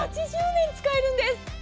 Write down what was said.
８０年使えるんです。